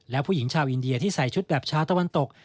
และผู้หญิงชาวอินเดียที่ใส่ชุดแบบชาวตะวันตก